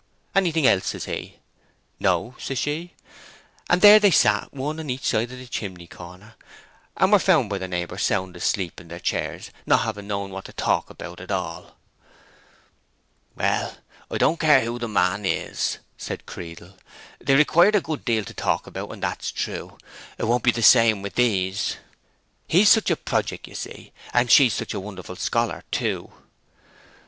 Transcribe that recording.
Anything else?' he says. 'No,' says she. And there they sat, one on each side of that chimney corner, and were found by their neighbors sound asleep in their chairs, not having known what to talk about at all." "Well, I don't care who the man is," said Creedle, "they required a good deal to talk about, and that's true. It won't be the same with these." "No. He is such a projick, you see. And she is a wonderful scholar too!"